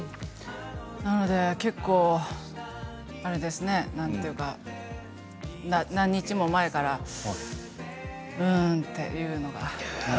なので、結構、あれですねなんていうか何日も前からうーんっていうのが。